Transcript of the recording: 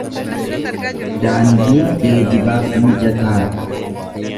Daandiin geejibaaf mijataa dha.